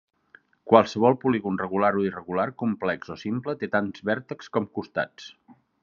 Qualsevol polígon, regular o irregular, complex o simple, té tants vèrtexs com costats.